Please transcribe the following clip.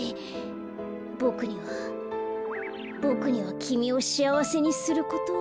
ボクにはボクにはきみをしあわせにすることは。